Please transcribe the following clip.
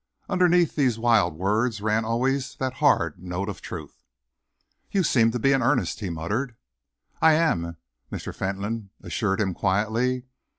Underneath these wild words ran always that hard note of truth. "You seem to be in earnest," he muttered. "I am," Mr. Fentolin assured him quietly.